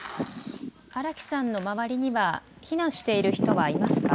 荒木さんの周りには避難している人はいますか。